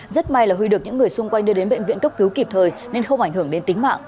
rất may là huy được những người xung quanh đưa đến bệnh viện cấp cứu kịp thời nên không ảnh hưởng đến tính mạng